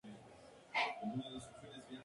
Se encuentra en el Mar de Azov y en el río Don.